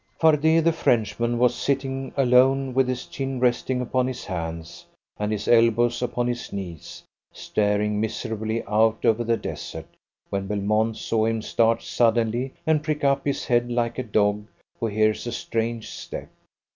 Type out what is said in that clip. Fardet, the Frenchman, was sitting alone with his chin resting upon his hands, and his elbows upon his knees, staring miserably out over the desert, when Belmont saw him start suddenly and prick up his head like a dog who hears a strange step.